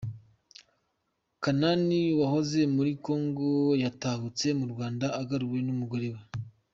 Kanani wahoze muri Kongo yatahutse mu Rwanda agaruwe n’umugore we